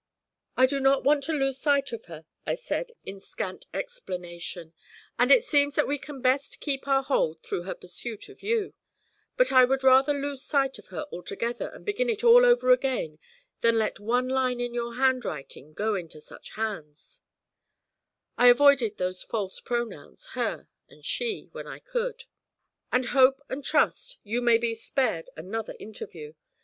'I do not want to lose sight of her,' I said, in scant explanation, 'and it seems that we can best keep our hold through her pursuit of you; but I would rather lose sight of her altogether and begin it all over again than let one line in your handwriting go into such hands' I avoided those false pronouns 'her' and 'she' when I could 'and hope and trust you may be spared another interview.